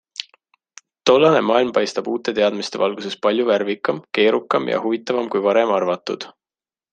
Tollane maailm paistab uute teadmiste valguses palju värvikam, keerukam ja huvitavam kui varem arvatud.